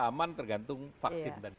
rasa aman tergantung vaksin